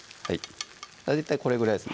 大体これぐらいですね